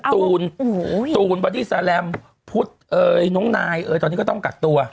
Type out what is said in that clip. ตูนบอดี้แซลมพุทธน้องนายตอนนี้ก็ต้องกักตัว